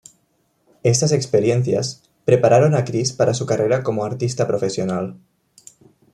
Estas experiencias prepararon a Chris para su carrera como artista profesional.